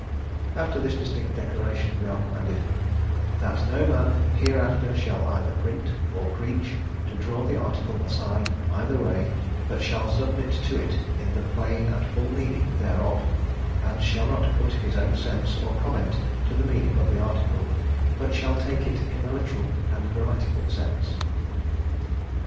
After this distinct declaration we are commanded "That no man hereafter shall either print, or preach, to draw the Article aside either way, but shall submit to it in the plain and full meaning thereof; and shall not put his own sense or comment to be the meaning of the Article, but shall take it in the literal and grammatical sense."